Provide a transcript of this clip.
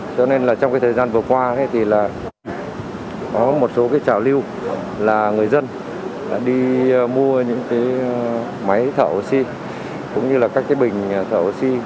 cho nên trong thời gian vừa qua thì có một số trào lưu là người dân đi mua những máy thở oxy cũng như là các bình thở oxy